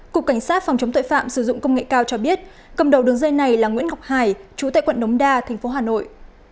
cục cảnh sát phòng chống tội phạm sử dụng công nghệ cao cho biết cầm đầu đường dây này là nguyễn ngọc hải chú tại quận đống đa tp hà nội